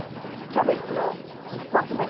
キャベツの一発目。